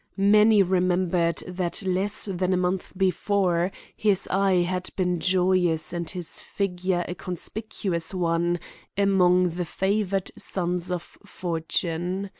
Many remembered that less than a month before his eye had been joyous and his figure a conspicuous one among the favored sons of fortune.